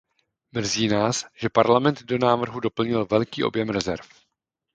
Mrzí nás, že Parlament do návrhu doplnil velký objem rezerv.